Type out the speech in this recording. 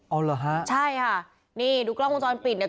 เอาเหรอฮะใช่ค่ะนี่ดูกล้องวงจรปิดเนี่ย